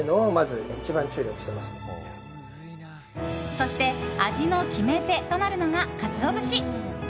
そして味の決め手となるのがカツオ節。